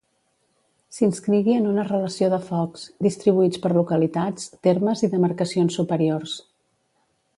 S'inscrigui en una relació de focs, distribuïts per localitats, termes i demarcacions superiors.